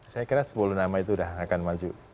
saya kira sepuluh nama itu sudah akan maju